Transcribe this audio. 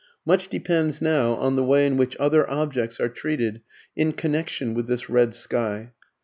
Much depends now on the way in which other objects are treated in connection with this red sky.